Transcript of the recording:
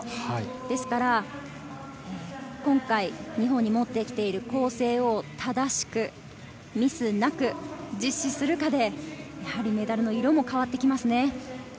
ですから今回日本に持ってきている構成を正しくミスなく実施するかでメダルの色も変わってきます。